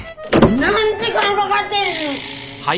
何時間かかってんのよ。